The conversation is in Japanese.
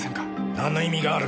なんの意味がある？